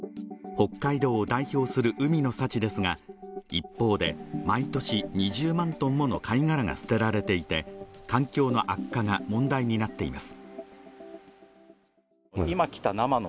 北海道を代表する海の幸ですが一方で毎年２０万トンもの貝殻が捨てられていて環境の悪化が問題になっています